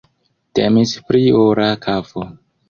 Temis pri ora kafo.